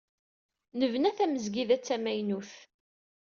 Nebna tamezgida d tamaynut.